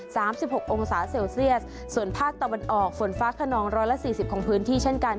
สิบหกองศาเซลเซียสส่วนภาคตะวันออกฝนฟ้าขนองร้อยละสี่สิบของพื้นที่เช่นกัน